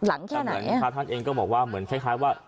หลังแค่ไหนอ่ะค่ะท่านเองก็บอกว่าเหมือนคล้ายว่า